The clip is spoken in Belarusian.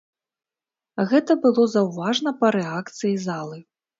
Гэта было заўважна па рэакцыі залы.